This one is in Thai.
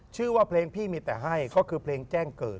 ชื่อว่าเพลงพี่มีแต่ให้ก็คือเพลงแจ้งเกิด